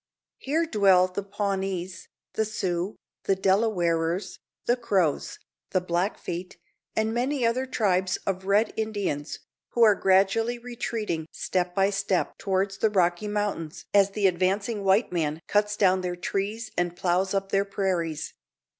Here dwell the Pawnees, the Sioux, the Delawarers, the Crows, the Blackfeet, and many other tribes of Red Indians, who are gradually retreating step by step towards the Rocky Mountains as the advancing white man cuts down their trees and ploughs up their prairies.